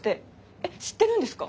えっ知ってるんですか？